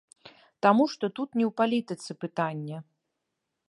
Таму што тут не ў палітыцы пытанне.